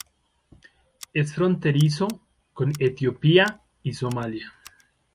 Es fronterizo con Etiopía y con Somalia.